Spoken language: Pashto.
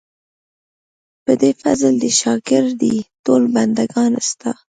په دې فضل دې شاګر دي ټول بندګان ستا.